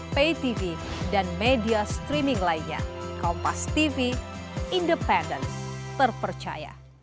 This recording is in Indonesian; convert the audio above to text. pay tv dan media streaming lainnya kompas tv independen terpercaya